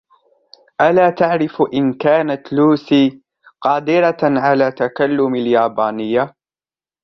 ألا تعرف إن كانت لوسي قادرة على تكلم اليابانية ؟